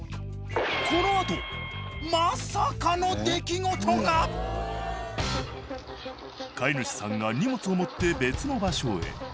このあと飼い主さんが荷物を持って別の場所へ。